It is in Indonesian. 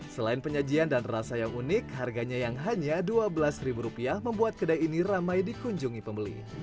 selain penyajian dan rasa yang unik harganya yang hanya dua belas rupiah membuat kedai ini ramai dikunjungi pembeli